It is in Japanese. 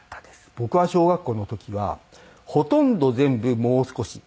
僕が小学校の時はほとんど全部「もう少し」。